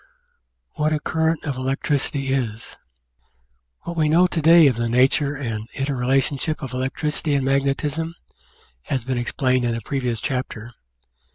What a Current of Electricity is What we know to day of the nature and inter relationship of electricity and magnetism has been explained in a previous chapter.